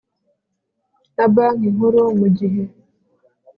na Banki Nkuru mu gihe